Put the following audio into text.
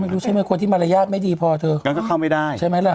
รู้ใช่ไหมคนที่มารยาทไม่ดีพอเธองั้นก็เข้าไม่ได้ใช่ไหมล่ะ